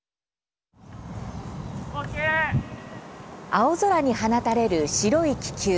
青空に放たれる白い気球。